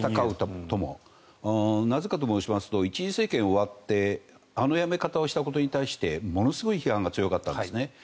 なぜかと申しますと１次政権が終わってあの辞め方をしたことに対してものすごい批判が強かったんですね。